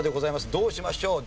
どうしましょう？